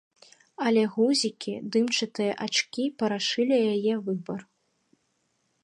Але гузікі, дымчатыя ачкі парашылі яе выбар.